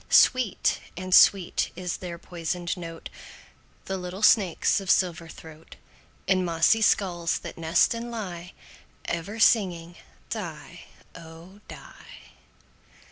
Sweet and sweet is their poisoned note, The little snakes' of silver throat, In mossy skulls that nest and lie, Ever singing "die, oh! die."